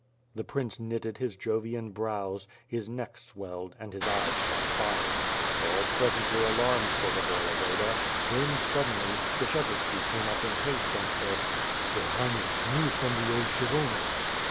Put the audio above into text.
The prince knitted his Jovian brows; his neck swelled, and his eyes shot fire, and all present were alarmed for the Voye voda, when, suddenly, Skshetuski came up in haste and said: "Your Highness, news from the old Kshyvonos."